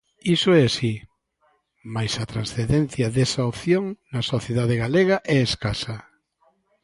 Iso é así, mais a transcendencia desa opción na sociedade galega é escasa.